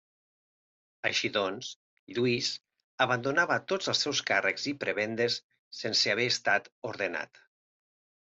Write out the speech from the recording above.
Així doncs, Lluís abandonava tots els seus càrrecs i prebendes sense haver estat ordenat.